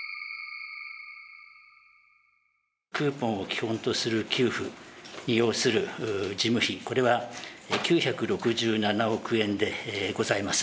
クーポンを基本とする給付に要する事務費、これは９６７億円でございます。